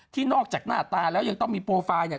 นอกจากหน้าตาแล้วยังต้องมีโปรไฟล์เนี่ย